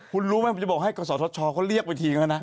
คุณรู้ไหมผมจะบอกให้กศชเขาเรียกไปทีก็แล้วนะ